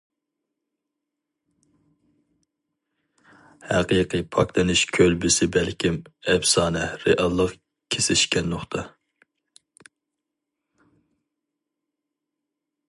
ھەقىقىي پاكلىنىش كۆلبىسى بەلكىم، ئەپسانە، رېئاللىق كېسىشكەن نۇقتا.